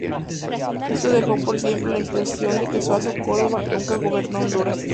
Esto dejó por siempre la impresión de que Suazo Córdova nunca gobernó Honduras.